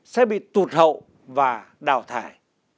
sẽ bị tụt hậu và đào thải